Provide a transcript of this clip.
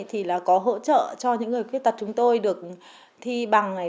thì là có hỗ trợ cho những người khuyết tật chúng tôi được thi bằng này